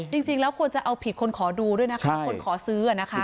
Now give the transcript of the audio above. จริงแล้วควรจะเอาผิดคนขอดูด้วยนะคะคนขอซื้อนะคะ